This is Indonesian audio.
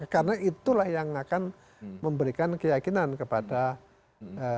karena itulah yang akan memberikan keyakinan kepada investor untuk masuk ke sini